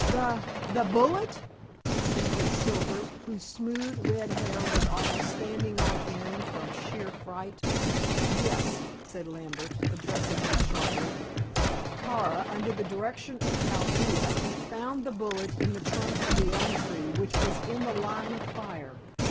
"The the bullet!" stammered Silver, whose smooth red hair was almost standing on end from sheer fright. "Yes," said Lambert, addressing him sharply. "Kara, under the direction of Chaldea, found the bullet in the trunk of the elm tree which was in the line of fire.